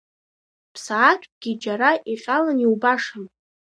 Ԥсаатәкгьы џьара иҟьалан иубашам.